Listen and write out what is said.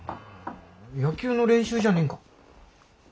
野球の練習じゃねえんか？